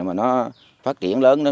mà nó phát triển lớn đó